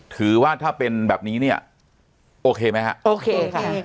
ถือว่าถ้าเป็นแบบนั้นโอเคไหมคะ